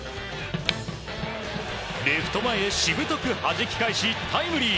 レフト前へしぶとくはじき返し、タイムリー。